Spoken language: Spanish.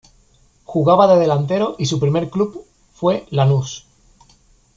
Jugaba de delantero y su primer club fue Lanús.